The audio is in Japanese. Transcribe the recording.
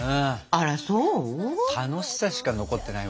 あらそう？